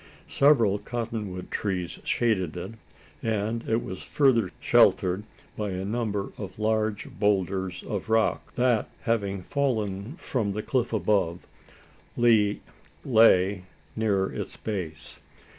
Several cotton wood trees shaded it; and it was further sheltered by a number of large boulders of rock, that, having fallen from the cliff above, lay near its base.